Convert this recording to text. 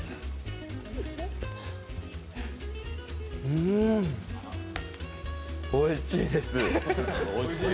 うん、おいしいです。